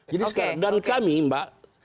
jadi sekarang dan kami mbak